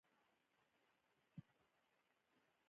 زه احمد ته سترګې نه لرم.